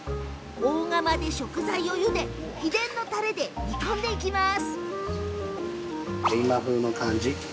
大釜で食材をゆで秘伝のたれで煮込んでいきます。